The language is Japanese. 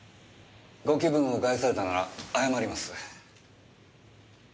ご気分を害されたなら謝ります。